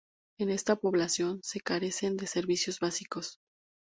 En esta población, se carecen de servicios básicos.